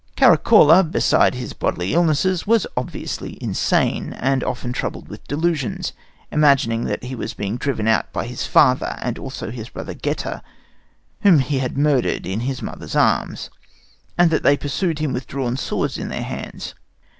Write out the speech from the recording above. Caracalla, besides his bodily illnesses, was obviously insane and often troubled with delusions, imagining that he was being driven out by his father and also by his brother Geta, whom he had murdered in his mother's arms, and that they pursued him with drawn swords in their hands.